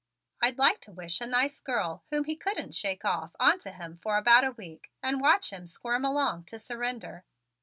"I'd like to wish a nice girl, whom he couldn't shake off, onto him for about a week and watch him squirm along to surrender.